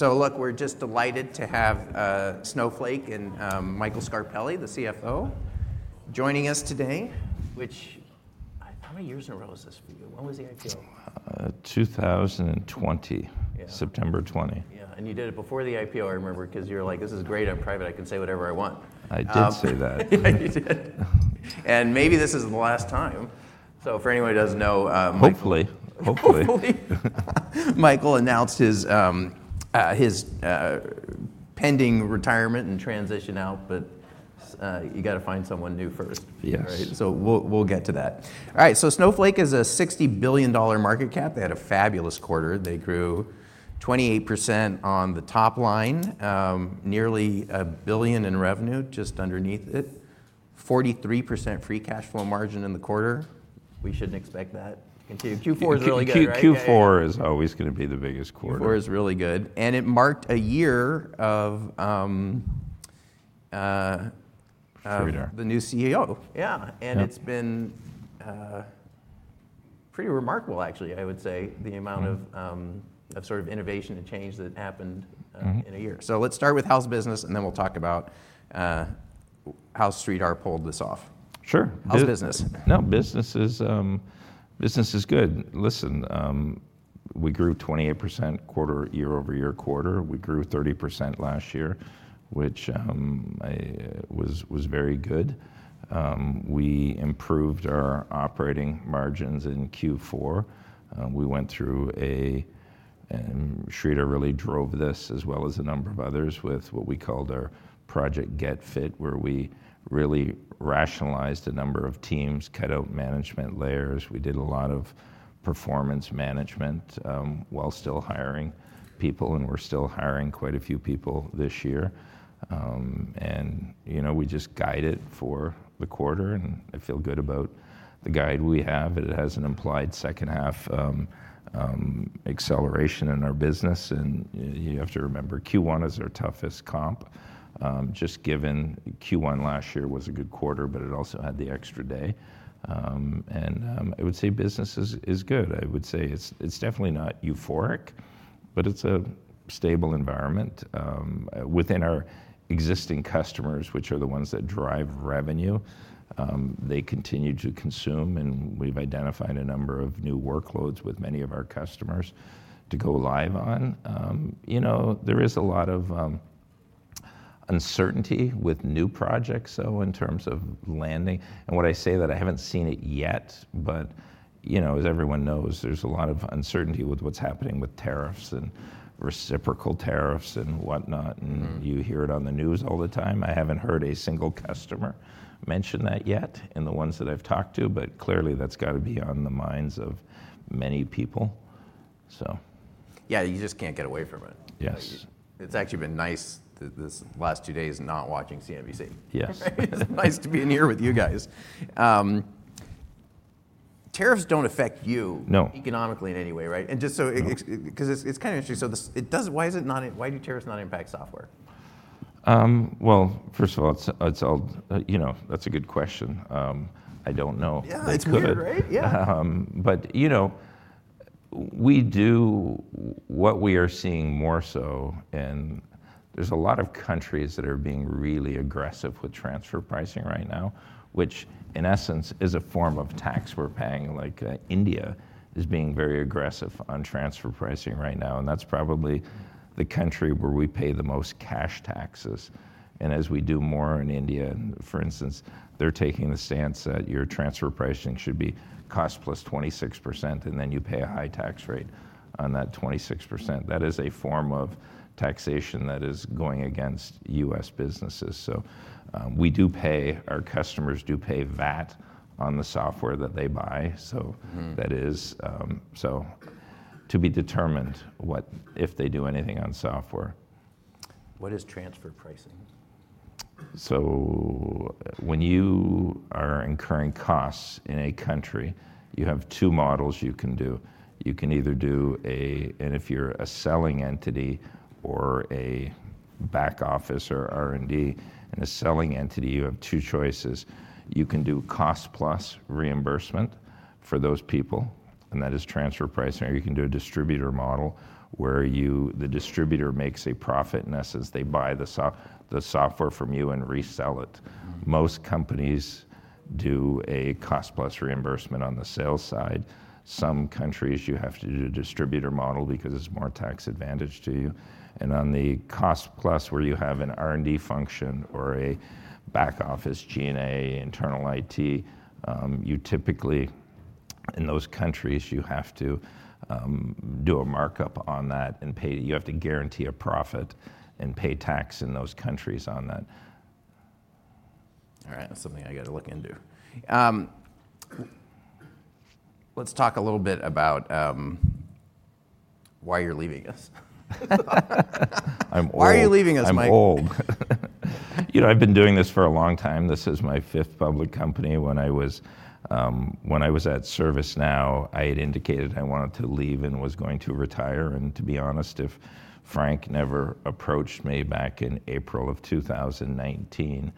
So look, we're just delighted to have Snowflake and Michael Scarpelli, the CFO, joining us today. Which, how many years in a row is this for you? When was the IPO? September 2020. Yeah, and you did it before the IPO, I remember, because you were like, this is great, I'm private, I can say whatever I want. I did say that. You did. And maybe this is the last time. So for anyone who doesn't know. Hopefully. Hopefully. Michael announced his pending retirement and transition out, but you got to find someone new first. Yes. We'll get to that. All right, Snowflake is a $60 billion market cap. They had a fabulous quarter. They grew 28% on the top line, nearly $1 billion in revenue, just underneath it, 43% free cash flow margin in the quarter. We shouldn't expect that to continue. Q4 is really good. Q4 is always going to be the biggest quarter. Q4 is really good, and it marked a year of. Sridhar. The new CEO. Yeah, and it's been pretty remarkable, actually, I would say, the amount of sort of innovation and change that happened in a year. So let's start with how's business, and then we'll talk about how Sridhar pulled this off. Sure. How's business. No, business is good. Listen, we grew 28% quarter year over year quarter. We grew 30% last year, which was very good. We improved our operating margins in Q4. We went through, and Sridhar really drove this, as well as a number of others, with what we called our Project Get Fit, where we really rationalized a number of teams, cut out management layers. We did a lot of performance management while still hiring people, and we're still hiring quite a few people this year. We just guided for the quarter, and I feel good about the guide we have. It has an implied second half acceleration in our business. You have to remember, Q1 is our toughest comp, just given Q1 last year was a good quarter, but it also had the extra day. I would say business is good. I would say it's definitely not euphoric, but it's a stable environment. Within our existing customers, which are the ones that drive revenue, they continue to consume, and we've identified a number of new workloads with many of our customers to go live on. There is a lot of uncertainty with new projects, though, in terms of landing, and when I say that, I haven't seen it yet, but as everyone knows, there's a lot of uncertainty with what's happening with tariffs and reciprocal tariffs and whatnot, and you hear it on the news all the time. I haven't heard a single customer mention that yet in the ones that I've talked to, but clearly that's got to be on the minds of many people. Yeah, you just can't get away from it. Yes. It's actually been nice this last two days not watching CNBC. Yes. It's nice to be in here with you guys. Tariffs don't affect you. No. Economically in any way, right? And just so because it's kind of interesting. So it doesn't. Why is it not? Why do tariffs not impact software? First of all, it's all, you know, that's a good question. I don't know. Yeah, it's going to be great. Yeah. You know, we do what we are seeing more so, and there's a lot of countries that are being really aggressive with transfer pricing right now, which in essence is a form of tax we're paying. Like India is being very aggressive on transfer pricing right now, and that's probably the country where we pay the most cash taxes. And as we do more in India, for instance, they're taking the stance that your transfer pricing should be cost-plus 26%, and then you pay a high tax rate on that 26%. That is a form of taxation that is going against U.S. businesses. So we do pay, our customers do pay VAT on the software that they buy. So that is to be determined what, if they do anything on software. What is transfer pricing? When you are incurring costs in a country, you have two models you can do. You can either do a, and if you're a selling entity or a back office or R&D and a selling entity, you have two choices. You can do cost plus reimbursement for those people, and that is transfer pricing, or you can do a distributor model where the distributor makes a profit and that says they buy the software from you and resell it. Most companies do a cost plus reimbursement on the sales side. Some countries, you have to do a distributor model because it's more tax advantage to you. On the cost plus where you have an R&D function or a back office G&A, internal IT, you typically, in those countries, you have to do a markup on that and pay. You have to guarantee a profit and pay tax in those countries on that. All right, that's something I got to look into. Let's talk a little bit about why you're leaving us. I'm old. Why are you leaving us, Mike? I'm old. You know, I've been doing this for a long time. This is my fifth public company. When I was at ServiceNow, I had indicated I wanted to leave and was going to retire. And to be honest, if Frank never approached me back in April of 2019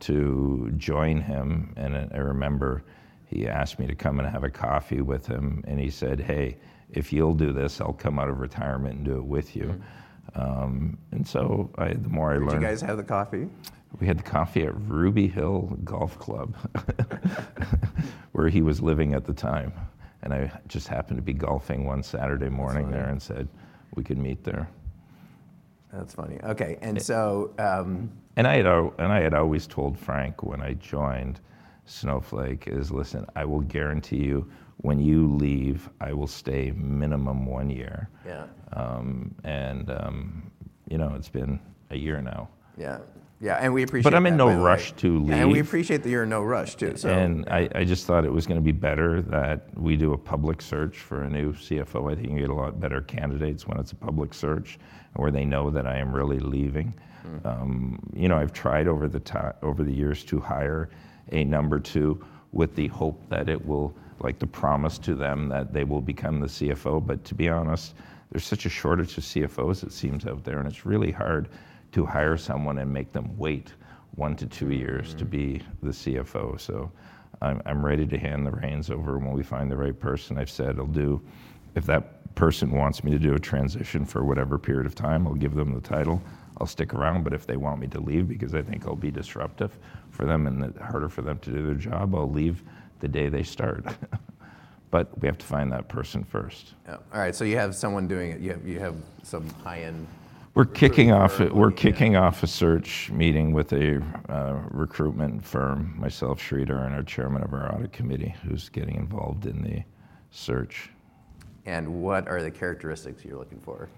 to join him, and I remember he asked me to come and have a coffee with him, and he said, hey, if you'll do this, I'll come out of retirement and do it with you. And so the more I learned. Did you guys have the coffee? We had the coffee at Ruby Hill Golf Club, where he was living at the time, and I just happened to be golfing one Saturday morning there and said, we could meet there. That's funny. Okay, and so. And I had always told Frank when I joined Snowflake is, "listen, I will guarantee you when you leave, I will stay minimum one year. Yeah. You know, it's been a year now. Yeah, yeah, and we appreciate that. But I'm in no rush to leave. We appreciate that you're in no rush too, so. I just thought it was going to be better that we do a public search for a new CFO. I think you get a lot better candidates when it's a public search where they know that I am really leaving. You know, I've tried over the years to hire a number two with the hope that it will, like the promise to them that they will become the CFO. But to be honest, there's such a shortage of CFOs it seems out there, and it's really hard to hire someone and make them wait one to two years to be the CFO. So I'm ready to hand the reins over when we find the right person. I've said I'll do. If that person wants me to do a transition for whatever period of time, I'll give them the title. I'll stick around, but if they want me to leave because I think I'll be disruptive for them and harder for them to do their job, I'll leave the day they start. But we have to find that person first. All right, so you have someone doing it, you have some high-end. We're kicking off a search meeting with a recruitment firm, myself, Sridhar, and our chairman of our audit committee who's getting involved in the search. What are the characteristics you're looking for?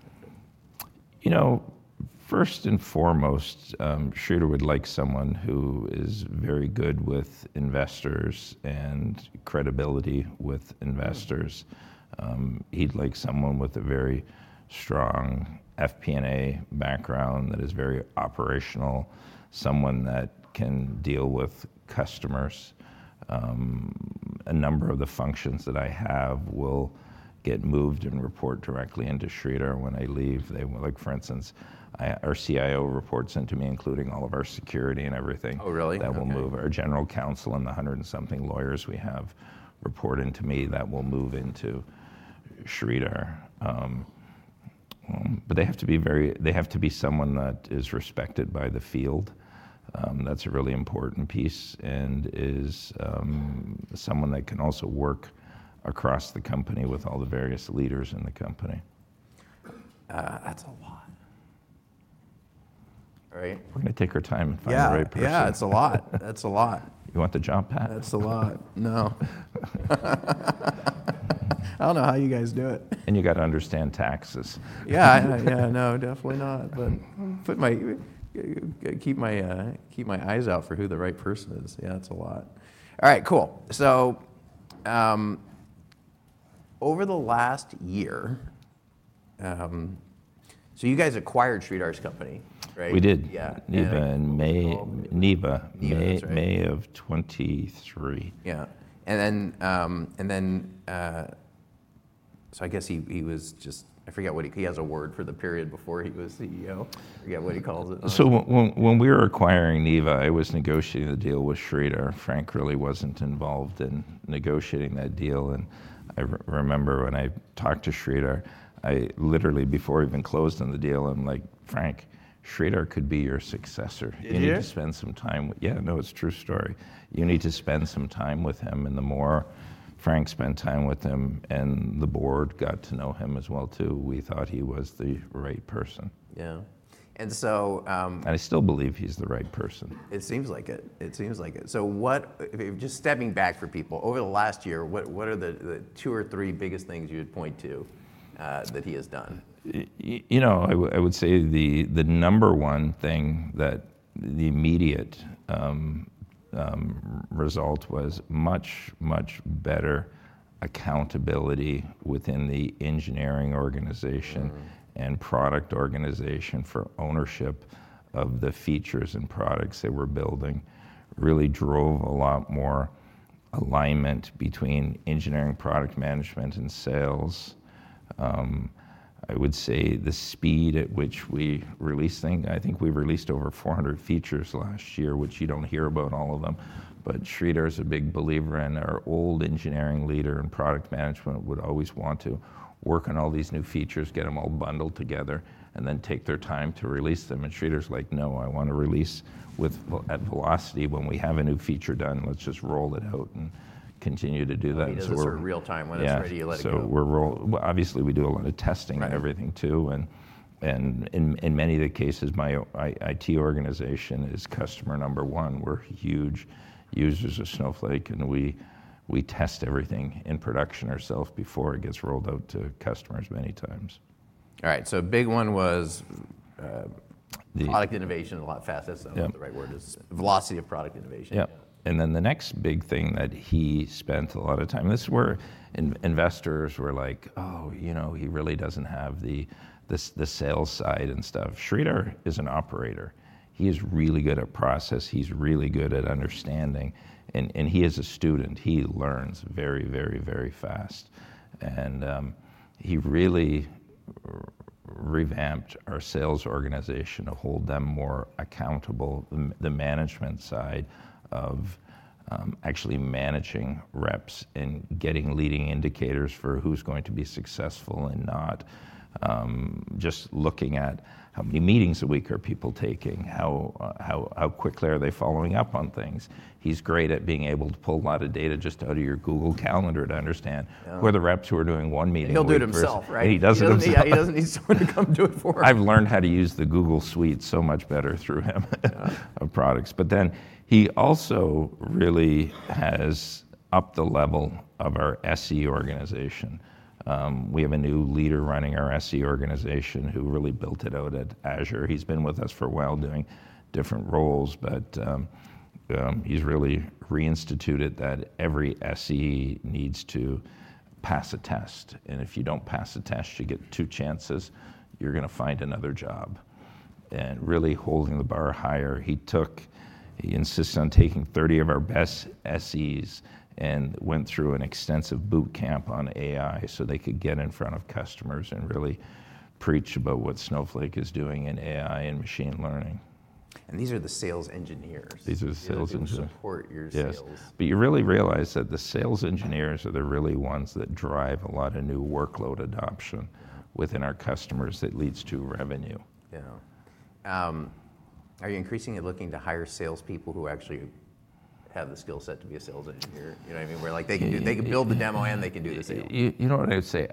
You know, first and foremost, Sridhar would like someone who is very good with investors and credibility with investors. He'd like someone with a very strong FP&A background that is very operational, someone that can deal with customers. A number of the functions that I have will get moved and report directly into Sridhar when I leave. Like for instance, our CIO reports into me, including all of our security and everything. Oh, really? That will move our general counsel and the hundred and something lawyers we have to report into me. That will move into Sridhar. But they have to be someone that is respected by the field. That's a really important piece and is someone that can also work across the company with all the various leaders in the company. That's a lot. We're going to take our time and find the right person. Yeah, it's a lot. That's a lot. You want the job, Pat? That's a lot. No. I don't know how you guys do it. You got to understand taxes. Yeah, yeah, no, definitely not. But keep my eyes out for who the right person is. Yeah, it's a lot. All right, cool. So over the last year, so you guys acquired Sridhar's company, right? We did. Yeah. Neeva, in May. Neeva, May of 2023. Yeah, and then so I guess he was just. I forget what he called. He has a word for the period before he was CEO. I forget what he calls it. So when we were acquiring Neeva, I was negotiating the deal with Sridhar. Frank really wasn't involved in negotiating that deal. And I remember when I talked to Sridhar, I literally, before we even closed on the deal, I'm like, Frank, Sridhar could be your successor. You need to spend some time. He did? Yeah, no, it's a true story. You need to spend some time with him, and the more Frank spent time with him and the board got to know him as well too, we thought he was the right person. Yeah. And so. I still believe he's the right person. It seems like it. So what, just stepping back for people, over the last year, what are the two or three biggest things you'd point to that he has done? You know, I would say the number one thing that the immediate result was much, much better accountability within the engineering organization and product organization for ownership of the features and products that we're building. Really drove a lot more alignment between engineering, product management, and sales. I would say the speed at which we released. I think we released over 400 features last year, which you don't hear about all of them, but Sridhar is a big believer in our old engineering leader and product management would always want to work on all these new features, get them all bundled together, and then take their time to release them, and Sridhar's like, no, I want to release at velocity when we have a new feature done. Let's just roll it out and continue to do that. You give it to her real time when it's ready, you let it go. We're rolling, obviously we do a lot of testing and everything too. In many of the cases, my IT organization is customer number one. We're huge users of Snowflake, and we test everything in production ourselves before it gets rolled out to customers many times. All right, so big one was product innovation a lot faster, that's not the right word, is velocity of product innovation. Yeah. And then the next big thing that he spent a lot of time, this is where investors were like, oh, you know, he really doesn't have the sales side and stuff. Sridhar is an operator. He is really good at process. He's really good at understanding. And he is a student. He learns very, very, very fast. And he really revamped our sales organization to hold them more accountable, the management side of actually managing reps and getting leading indicators for who's going to be successful and not just looking at how many meetings a week are people taking, how quickly are they following up on things. He's great at being able to pull a lot of data just out of your Google Calendar to understand where the reps who are doing one meeting are going. He'll do it himself, right? He does it himself. Yeah, he doesn't need someone to come do it for him. I've learned how to use the Google Suite so much better through him on products. But then he also really has upped the level of our SE organization. We have a new leader running our SE organization who really built it out at Azure. He's been with us for a while doing different roles, but he's really reinstituted that every SE needs to pass a test. And if you don't pass a test, you get two chances, you're going to find another job. And really holding the bar higher. He insists on taking 30 of our best SEs and went through an extensive boot camp on AI so they could get in front of customers and really preach about what Snowflake is doing in AI and machine learning. These are the sales engineers. These are the sales engineers. They support your sales. Yeah, but you really realize that the sales engineers are the real ones that drive a lot of new workload adoption within our customers that leads to revenue. Yeah. Are you increasingly looking to hire salespeople who actually have the skill set to be a sales engineer? You know what I mean? Where like they can build the demo and they can do the sales. You know what I would say,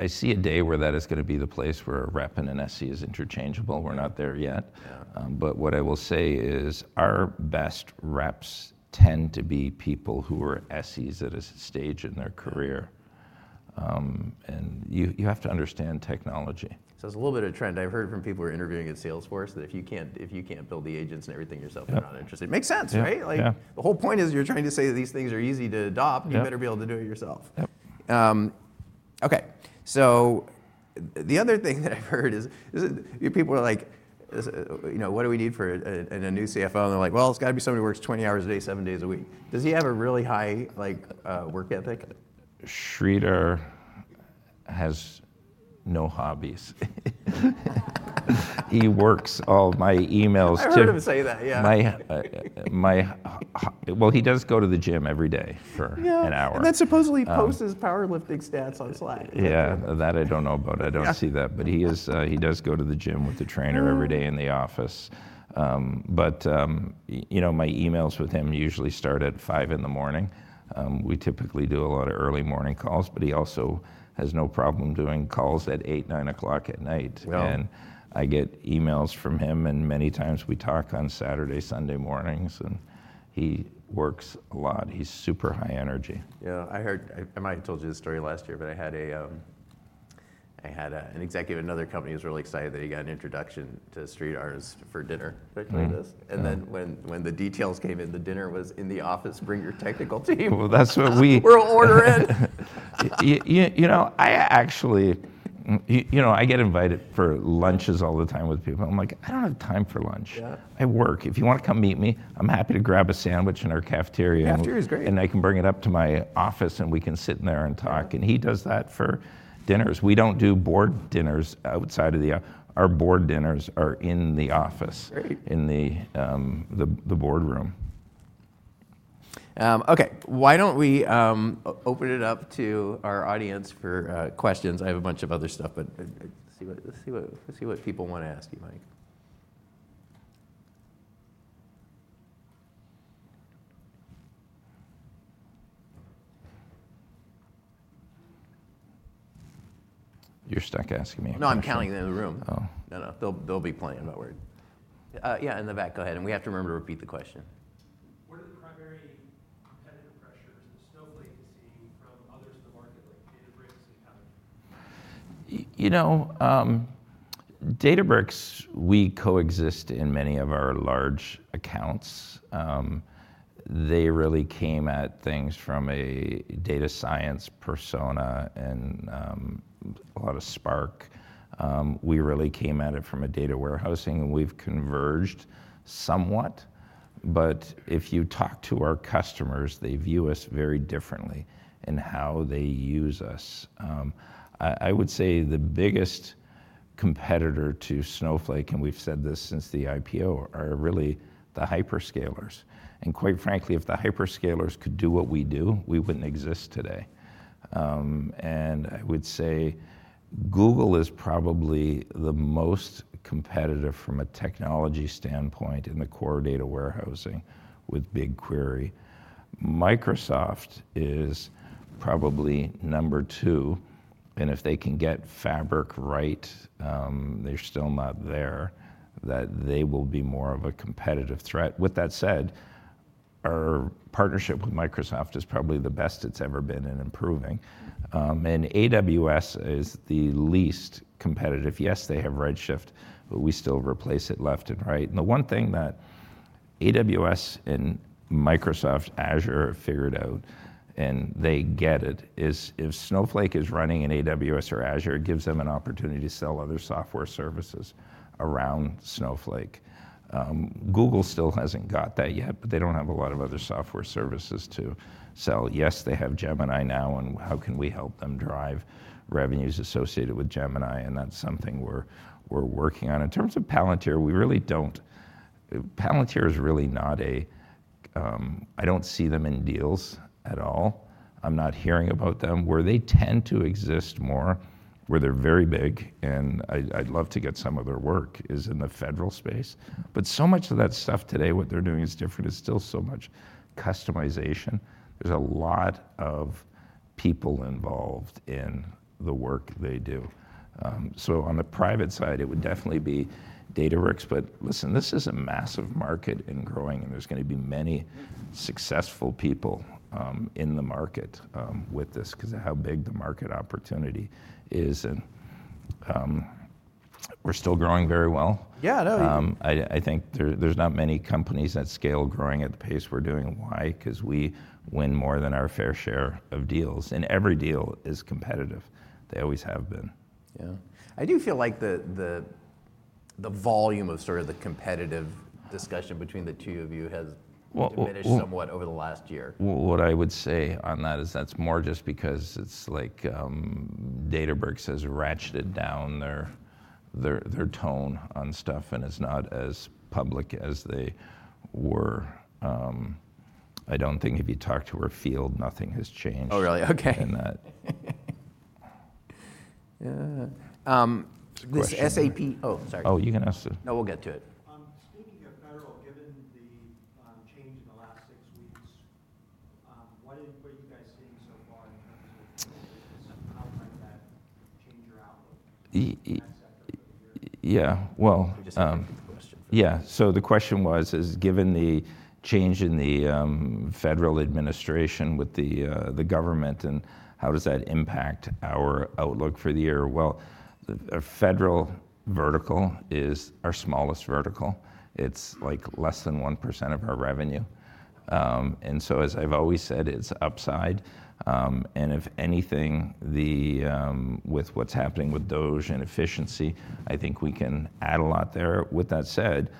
I see a day where that is going to be the place where a rep and an SE is interchangeable. We're not there yet. But what I will say is our best reps tend to be people who are SEs at a stage in their career. And you have to understand technology. So it's a little bit of a trend. I've heard from people who are interviewing at Salesforce that if you can't build the agents and everything yourself, they're not interested. It makes sense, right? Like the whole point is you're trying to say that these things are easy to adopt, you better be able to do it yourself. Okay, so the other thing that I've heard is people are like, you know, what do we need for a new CFO? And they're like, well, it's got to be somebody who works 20 hours a day, seven days a week. Does he have a really high work ethic? Sridhar has no hobbies. He works all my emails too. I heard him say that, yeah. He does go to the gym every day for an hour. That supposedly posts his powerlifting stats on Slack. Yeah, that I don't know about. I don't see that. But he does go to the gym with the trainer every day in the office. But you know, my emails with him usually start at 5:00 A.M. We typically do a lot of early morning calls, but he also has no problem doing calls at 8:00 P.M., 9:00 P.M. And I get emails from him, and many times we talk on Saturday, Sunday mornings, and he works a lot. He's super high energy. Yeah, I heard, I might have told you this story last year, but I had an executive at another company who was really excited that he got an introduction to Sridhar's for dinner. And then when the details came in, the dinner was in the office. Bring your technical team. Well, that's what we. We'll order it. You know, I actually, you know, I get invited for lunches all the time with people. I'm like, I don't have time for lunch. I work. If you want to come meet me, I'm happy to grab a sandwich in our cafeteria. Cafeteria is great. And I can bring it up to my office and we can sit in there and talk. And he does that for dinners. We don't do board dinners outside of the. Our board dinners are in the office, in the boardroom. Okay, why don't we open it up to our audience for questions? I have a bunch of other stuff, but let's see what people want to ask you, Mike. You're stuck asking me. No, I'm counting in the room. Oh. No, no, they'll be playing about where it. Yeah, in the back, go ahead, and we have to remember to repeat the question. What are the primary competitive pressures that Snowflake can see from others in the market like Databricks and Fabric? You know, Databricks, we coexist in many of our large accounts. They really came at things from a data science persona and a lot of Spark. We really came at it from a data warehousing, and we've converged somewhat. But if you talk to our customers, they view us very differently in how they use us. I would say the biggest competitor to Snowflake, and we've said this since the IPO, are really the hyperscalers. And quite frankly, if the hyperscalers could do what we do, we wouldn't exist today. And I would say Google is probably the most competitive from a technology standpoint in the core data warehousing with BigQuery. Microsoft is probably number two. And if they can get Fabric right, they're still not there, that they will be more of a competitive threat. With that said, our partnership with Microsoft is probably the best it's ever been in improving, and AWS is the least competitive. Yes, they have Redshift, but we still replace it left and right, and the one thing that AWS and Microsoft Azure have figured out, and they get it, is if Snowflake is running in AWS or Azure, it gives them an opportunity to sell other software services around Snowflake. Google still hasn't got that yet, but they don't have a lot of other software services to sell. Yes, they have Gemini now, and how can we help them drive revenues associated with Gemini, and that's something we're working on. In terms of Palantir, we really don't, Palantir is really not a, I don't see them in deals at all. I'm not hearing about them. Where they tend to exist more, where they're very big, and I'd love to get some of their work, is in the federal space. But so much of that stuff today, what they're doing is different, is still so much customization. There's a lot of people involved in the work they do. So on the private side, it would definitely be Databricks. But listen, this is a massive market and growing, and there's going to be many successful people in the market with this because of how big the market opportunity is, and we're still growing very well. Yeah, no. I think there's not many companies that scale growing at the pace we're doing. Why? Because we win more than our fair share of deals. And every deal is competitive. They always have been. Yeah. I do feel like the volume of sort of the competitive discussion between the two of you has diminished somewhat over the last year. What I would say on that is that's more just because it's like Databricks has ratcheted down their tone on stuff, and it's not as public as they were. I don't think if you talk to our field, nothing has changed. Oh, really? Okay. Yeah. This SAP, oh, sorry. Oh, you can ask this. No, we'll get to it. Speaking of federal, given the change in the last six weeks, what are you guys seeing so far in terms of how might that change your outlook for the federal sector for the year? Yeah, well. I just have a question for you. Yeah, so the question was, given the change in the federal administration with the government, and how does that impact our outlook for the year? Well, the federal vertical is our smallest vertical. It's like less than 1% of our revenue. And so, as I've always said, it's upside. And if anything, with what's happening with DOGE and efficiency, I think we can add a lot there. With that said,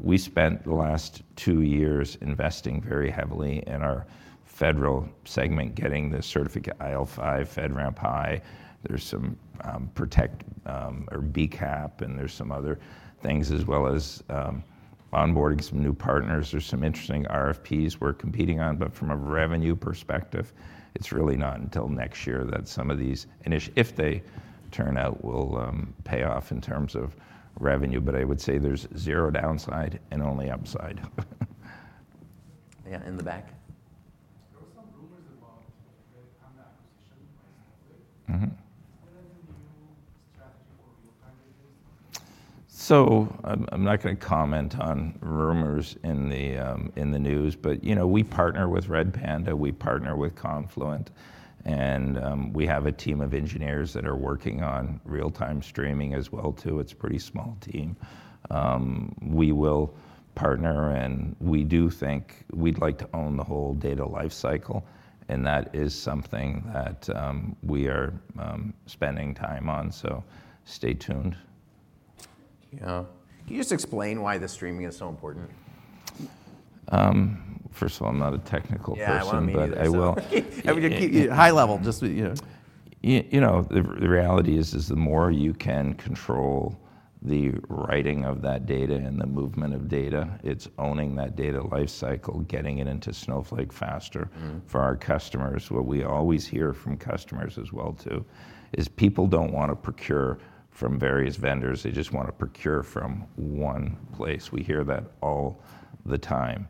we spent the last two years investing very heavily in our federal segment, getting the certificate IL-5, FedRAMP High. There's some protect or BCAP, and there's some other things, as well as onboarding some new partners. There's some interesting RFPs we're competing on. But from a revenue perspective, it's really not until next year that some of these, if they turn out, will pay off in terms of revenue. But I would say there's zero downside and only upside. Yeah, in the back. There were some rumors about Redpanda acquisition by Snowflake. Is there any new strategy for real-time business? So I'm not going to comment on rumors in the news, but you know, we partner with Redpanda, we partner with Confluent, and we have a team of engineers that are working on real-time streaming as well too. It's a pretty small team. We will partner, and we do think we'd like to own the whole data lifecycle. And that is something that we are spending time on. So stay tuned. Yeah. Can you just explain why the streaming is so important? First of all, I'm not a technical person, but I will. Yeah, I mean, high level, just. You know, the reality is, the more you can control the writing of that data and the movement of data, it's owning that data lifecycle, getting it into Snowflake faster for our customers. What we always hear from customers as well too is people don't want to procure from various vendors. They just want to procure from one place. We hear that all the time.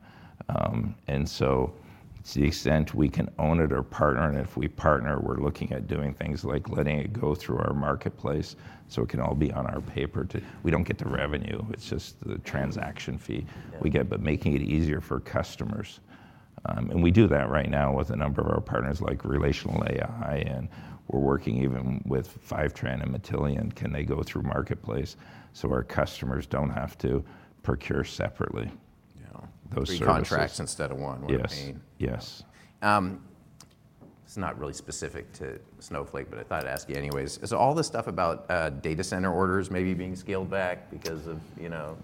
And so to the extent we can own it or partner, and if we partner, we're looking at doing things like letting it go through our marketplace so it can all be on our paper. We don't get the revenue. It's just the transaction fee we get, but making it easier for customers. And we do that right now with a number of our partners like RelationalAI, and we're working even with Fivetran and Matillion. Can they go through marketplace so our customers don't have to procure separately? Yeah. Three contracts instead of one. Yes. It's not really specific to Snowflake, but I thought I'd ask you anyways. So all this stuff about data center orders maybe being scaled back because of, you know,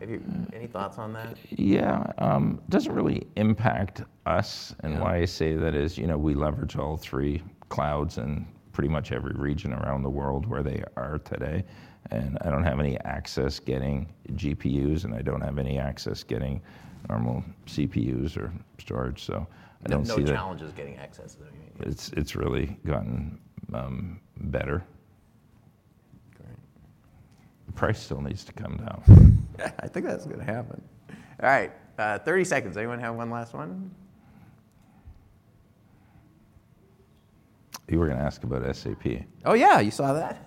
any thoughts on that? Yeah. It doesn't really impact us. And why I say that is, you know, we leverage all three clouds in pretty much every region around the world where they are today. And I don't have any issues getting GPUs, and I don't have any issues getting normal CPUs or storage. So I don't see that. There are no challenges getting access, is what you mean. It's really gotten better. Great. The price still needs to come down. I think that's going to happen. All right. 30 seconds. Anyone have one last one? You were going to ask about SAP. Oh, yeah. You saw that?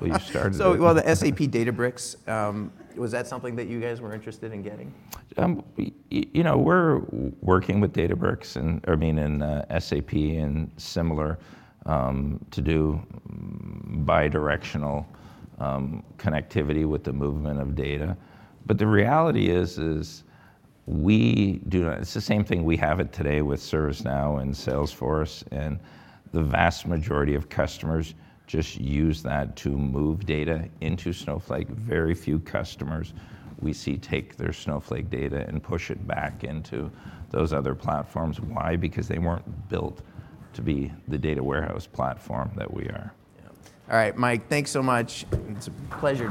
Well, you started it. So the SAP, Databricks, was that something that you guys were interested in getting? You know, we're working with Databricks and, I mean, and SAP and similar to do bidirectional connectivity with the movement of data. But the reality is, is we do, it's the same thing we have it today with ServiceNow and Salesforce. And the vast majority of customers just use that to move data into Snowflake. Very few customers we see take their Snowflake data and push it back into those other platforms. Why? Because they weren't built to be the data warehouse platform that we are. All right, Mike, thanks so much. It's a pleasure.